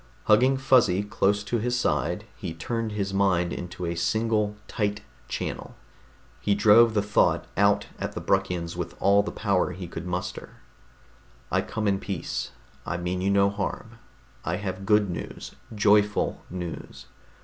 Hugging Fuzzy close to his side, he turned his mind into a single tight channel. He drove the thought out at the Bruckians with all the power he could muster: _I come in peace. I mean you no harm. I have good news, joyful news.